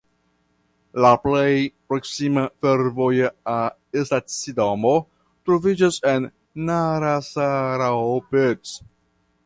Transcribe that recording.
La plej proksima fervoja stacidomo troviĝas en Narasaraopet.